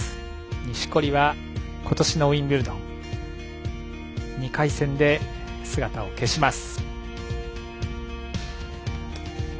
錦織は、ことしのウィンブルドン２回戦で姿を消します。